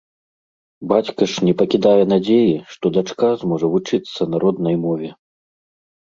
Бацька ж не пакідае надзеі, што дачка зможа вучыцца на роднай мове.